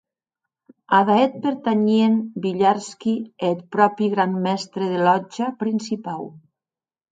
Ada eth pertanhien Villarski e eth pròpi gran mèstre de lòtja principau.